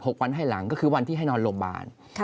๖วันให้หลังก็คือวันที่ให้นอนโรงพยาบาล